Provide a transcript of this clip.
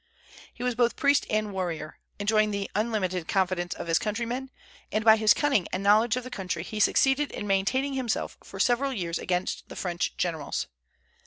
He was both priest and warrior, enjoying the unlimited confidence of his countrymen; and by his cunning and knowledge of the country he succeeded in maintaining himself for several years against the French generals.